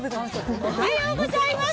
おはようございます。